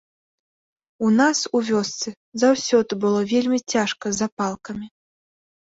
У нас у вёсцы заўсёды было вельмі цяжка з запалкамі.